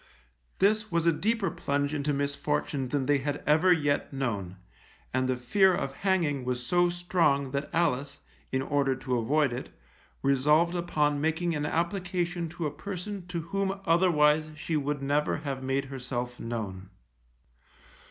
This was a deeper plunge into misfortune than they had ever yet known, and the fear of hanging was so strong that Alice, in order to avoid it, resolved upon making an application to a person to whom otherwise she would never have made herself known.